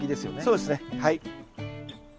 そうですねはい。